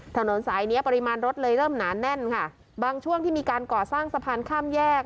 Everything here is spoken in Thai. ถนนสายเนี้ยปริมาณรถเลยเริ่มหนาแน่นค่ะบางช่วงที่มีการก่อสร้างสะพานข้ามแยก